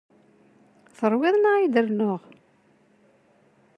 Teṛwiḍ neɣ ad k-d-rnuɣ?